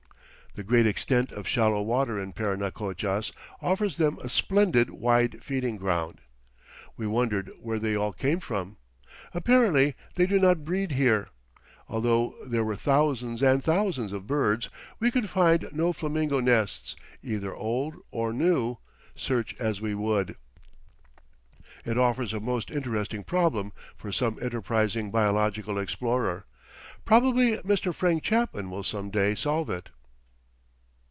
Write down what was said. The great extent of shallow water in Parinacochas offers them a splendid, wide feeding ground. We wondered where they all came from. Apparently they do not breed here. Although there were thousands and thousands of birds, we could find no flamingo nests, either old or new, search as we would. It offers a most interesting problem for some enterprising biological explorer. Probably Mr. Frank Chapman will some day solve it.